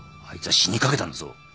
あいつは死にかけたんだぞ！